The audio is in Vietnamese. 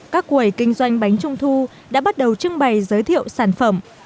các quầy kinh doanh bánh trung thu đã bắt đầu trưng bày giới thiệu sản phẩm